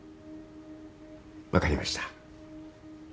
分かりました。